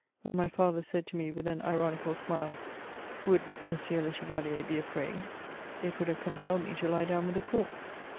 When my father said to me, with an ironical smile, " Would Monsieur le Che' valier be afraid ?" it would have compelled Tne to lie down with a corpse.